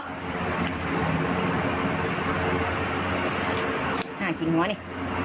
น่ากินหัวนี่